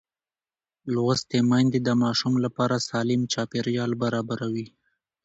لوستې میندې د ماشوم لپاره سالم چاپېریال برابروي.